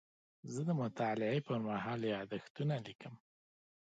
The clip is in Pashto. زه د مطالعې پر مهال یادښتونه لیکم.